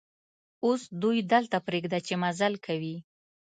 اوس دوی دلته پرېږده چې مزل کوي.